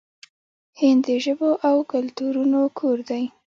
هند د ژبو او کلتورونو کور دی.